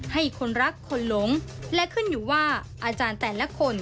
ให้คนรักคนหลงและขึ้นอยู่ว่าอาจารย์แต่ละคน